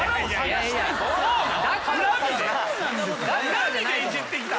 何でイジってきた？